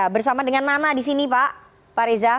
bersama dengan nana di sini pak pak reza